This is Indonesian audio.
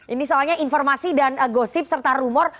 ini soalnya informasi dan gosip serta rumor